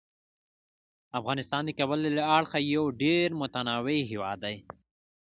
افغانستان د کابل له اړخه یو ډیر متنوع هیواد دی.